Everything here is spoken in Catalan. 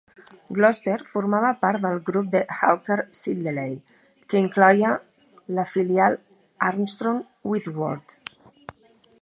Gloster formava part del grup de Hawker Siddeley que incloïa la filial Armstrong Whitworth.